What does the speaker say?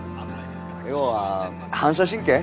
要は反射神経？